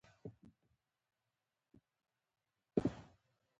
خو ولایتونه او ښارونه معلوم دي